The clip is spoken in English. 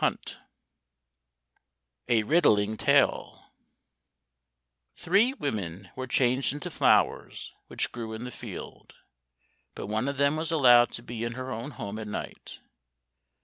160 A Riddling Tale Three women were changed into flowers which grew in the field, but one of them was allowed to be in her own home at night.